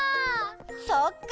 そっか！